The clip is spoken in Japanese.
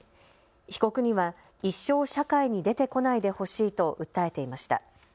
被告には一生社会に出てこないでほしいと訴えていました。